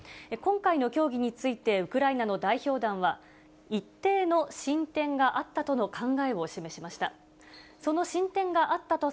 今回の協議について、ウクライナの代表団は、一定の進展があったとの考えを示しました。